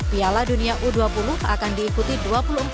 piala dunia u dua puluh akan diikuti dua kali